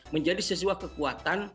menjadi sebuah kekuatan